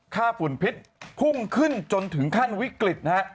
ค่าฝุ่นพิษพุ่งขึ้นจนถึงขั้นวิกฤต